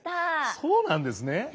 そうなんですね。